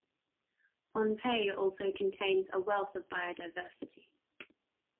Pohnpei also contains a wealth of biodiversity.